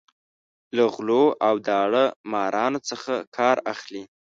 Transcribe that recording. له غلو او داړه مارانو څخه کار اخلي.